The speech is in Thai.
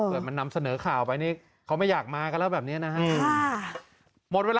เกิดมันนำเสนอข่าวไปนี่เขาไม่อยากมากันแล้วแบบนี้นะฮะ